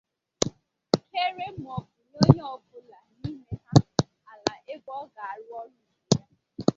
keere maọbụ nye onye ọbụla n'ime ha ala ebe ọ ga arụ ụlọ nke ya